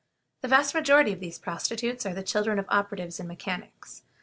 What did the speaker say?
The vast majority of these prostitutes are the children of operatives and mechanics.